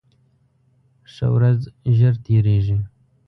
ښه ورځ ژر تېرېږي